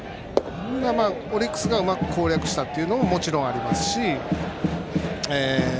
オリックスがうまく攻略したというのももちろんありますし。